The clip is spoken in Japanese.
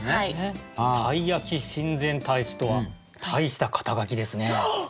たい焼き親善鯛使とは鯛した肩書ですね。